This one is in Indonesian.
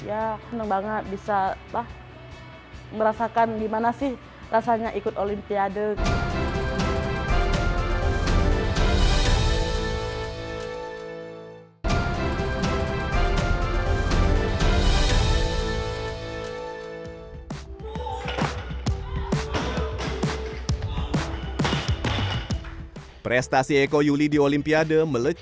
ya senang banget bisa merasakan gimana sih rasanya ikut olimpiade